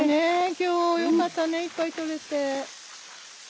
今日よかったねいっぱい取れて。